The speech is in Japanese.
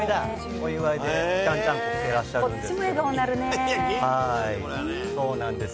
お祝いでちゃんちゃんこ着てらっしゃるんですけど。